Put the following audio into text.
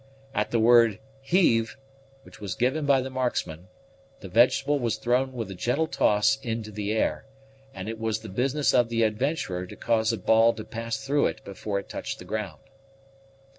At the word "heave!" which was given by the marksman, the vegetable was thrown with a gentle toss into the air, and it was the business of the adventurer to cause a ball to pass through it before it reached the ground.